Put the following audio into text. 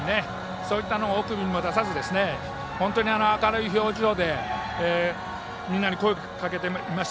そういったものを出さずに本当に明るい表情でみんなに声をかけていました。